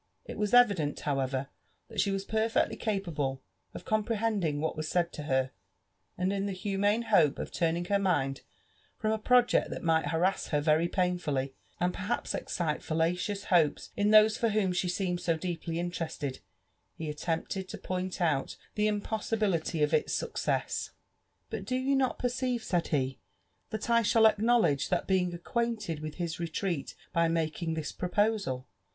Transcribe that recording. It was evident, however, that she was perfectly capable of comprehending what wAs said to her^ and in the humane hope of turning her mind from a project that might harass her very painfully, and perhaps etciie fallacious hopes in those for whom she seemed so deeply iilteriBsted) he attempted to point out the impossibility of its success. But do you not perceive," Said he, '' that I shall acknowledge the being acquainted with his retreat by making this proposal?